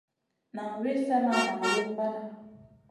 Nan wi slèh ma naŋ lumbana.